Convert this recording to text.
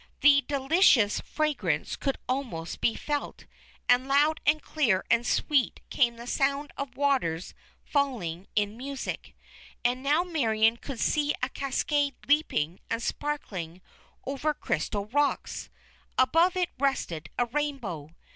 The delicious fragrance could almost be felt, and loud and clear and sweet came the sound of waters falling in music. And now Marion could see a cascade leaping and sparkling over crystal rocks. Above it rested a rainbow.